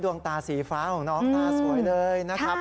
ดวงตาสีฟ้าของน้องตาสวยเลยนะครับ